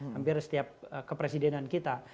hampir setiap kepresidenan kita